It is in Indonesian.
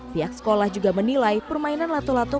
pihak sekolah juga menilai permainan lato lato